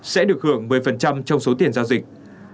sẽ được hưởng một mươi trong số tiền giao dịch